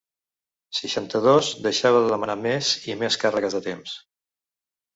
Seixanta-dos deixava de demanar més i més càrregues de temps.